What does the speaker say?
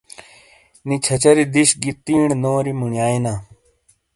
نی چھچھری دش گی تیݨے نوری موݨیایےنا۔